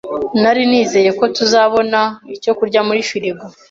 Nari nizeye ko tuzabona icyo kurya muri firigo.